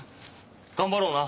頑張ろうな。